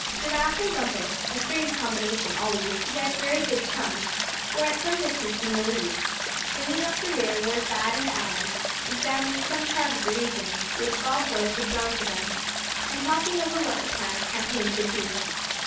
Giraffe and Bumpus, a strange combination always, yet very good chums, were at some distance in the lead. Bringing up the rear were Thad and Allan, examining some chart of the region, which Bob White had drawn for them, and talking over what the plan of campaign should be.